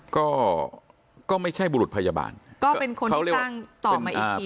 ก็ก็ไม่ใช่บุรุษพยาบาลก็เป็นคนที่จ้างต่อมาอีกที